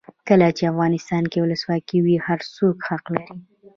کله چې افغانستان کې ولسواکي وي هر څوک حق لري.